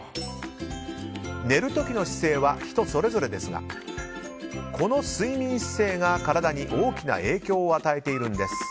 寝る時の姿勢は人それぞれですがこの睡眠姿勢が、体に大きな影響を与えているんです。